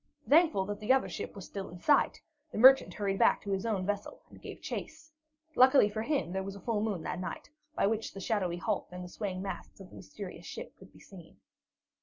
Thankful that the other ship was still in sight, the merchant hurried back to his own vessel and gave chase. Luckily for him, there was a full moon that night, by which the shadowy hulk and the swaying masts of the mysterious ship could be seen.